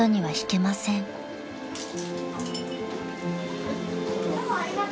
はい。